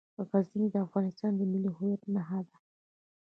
غزني د افغانستان د ملي هویت نښه ده.